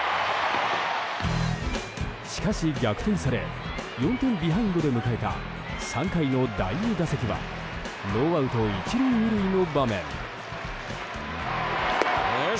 しかし逆転され４点ビハインドで迎えた３回の第２打席はノーアウト１塁２塁の場面。